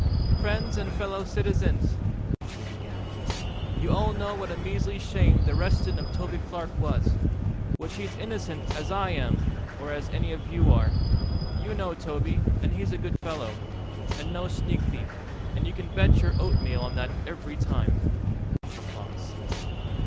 "Friends and fellow citizens," he began; "you all know what a measly shame the arrestin' of Toby Clark was, which he's innocent as I am or as any of you are. You know Toby, and he's a good fellow, and no sneak thief, and you can bet your oatmeal on that ev'ry time!